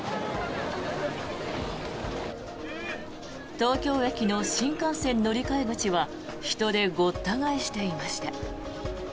東京駅の新幹線乗り換え口は人でごった返していました。